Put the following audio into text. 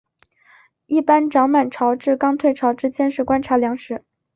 一般涨满潮至刚退潮之间是观察良时。